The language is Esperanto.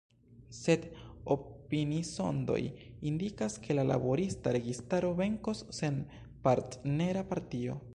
Sed opinisondoj indikas, ke la Laborista Registaro venkos sen partnera partio.